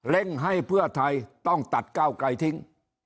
ให้เพื่อไทยต้องตัดก้าวไกลทิ้ง